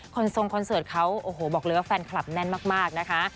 ทรงคอนเสิร์ตเขาโอ้โหบอกเลยว่าแฟนคลับแน่นมากนะคะ